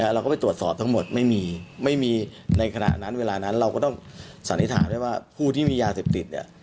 เราก็ไปตรวจสอบทั้งหมดไม่มีไม่มีในขณะนั้นเวลานั้นเราก็ต้องสันนิษฐานได้ว่าผู้ที่มียาเสพติดเนี่ย